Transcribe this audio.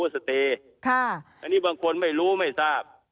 ซึ่งบางคนไม่รู้ไม่ทราบ